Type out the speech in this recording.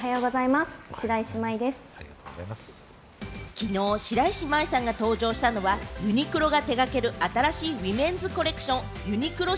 昨日、白石さんが登場したのは、ユニクロが手掛ける新しいウィメンズコレクションＵＮＩＱＬＯ：